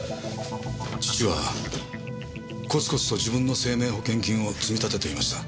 義父はコツコツと自分の生命保険金を積み立てていました。